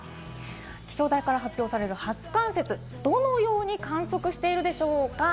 気象台から発表される初冠雪、どのように観測しているでしょうか？